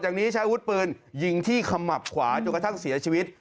นี้ใช้อาวุธปืนยิงที่ขมับขวาจนกระทั่งเสียชีวิต